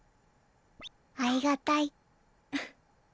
あいがたい。